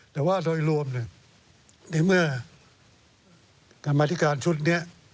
แต่ว่าโดยรวมเนี่ยในเมื่อกลับมาที่การชุดเนี่ย